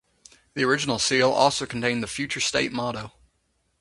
The original seal also contained the future state motto.